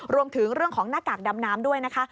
รวมถึงเรื่องของหน้ากากดำน้ำด้วยนะคะ